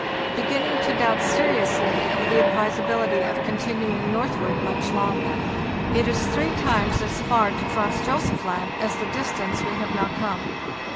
Beginning to doubt seriously of the advisability of continuing northward much longer. it is three times as far to Franz Josef Land as the distance we have now come.